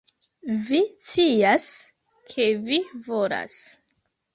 Vi scias, ke vi volas